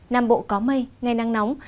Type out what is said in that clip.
năm bộ có mây ngày nắng nóng